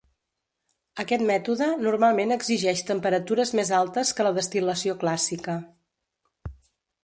Aquest mètode normalment exigeix temperatures més altes que la destil·lació clàssica.